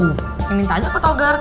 yang minta aja patogar